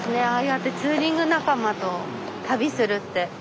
やってツーリング仲間と旅するって。